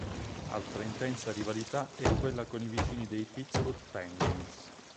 Altra intensa rivalità è quella con i vicini dei Pittsburgh Penguins.